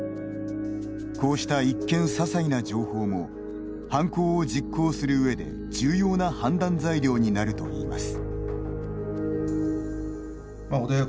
こうした一見ささいな情報も犯行を実行する上で重要な判断材料になるといいます。